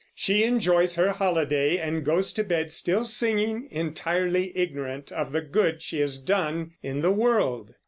She enjoys her holiday, and goes to bed still singing, entirely ignorant of the good she has done in the world.